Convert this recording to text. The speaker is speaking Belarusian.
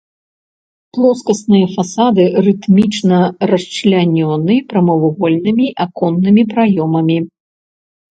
Плоскасныя фасады рытмічна расчлянёны прамавугольнымі аконнымі праёмамі.